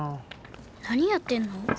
なにやってんの？